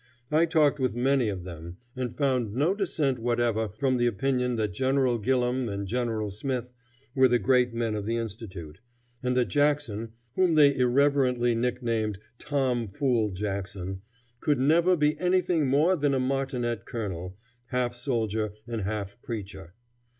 I talked with many of them, and found no dissent whatever from the opinion that General Gilham and General Smith were the great men of the institute, and that Jackson, whom they irreverently nicknamed Tom Fool Jackson, could never be anything more than a martinet colonel, half soldier and half preacher.